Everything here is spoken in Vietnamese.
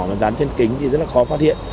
mà dán trên kính thì rất là khó phát hiện